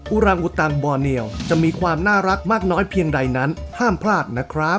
อุรังอุตังบอร์เนียลจะมีความน่ารักมากน้อยเพียงใดนั้นห้ามพลาดนะครับ